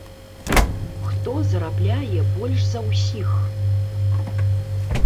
Хто зарабляе больш за ўсіх?